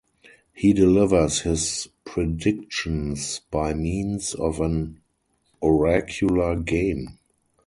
He delivers his predictions by means of an oracular game.